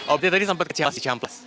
oh jadi tadi sempat kecil sih camplas